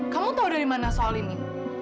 kamu tahu dari mana soal ini